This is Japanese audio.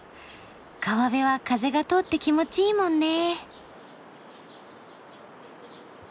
川辺は風が通って気持ちいいもんね。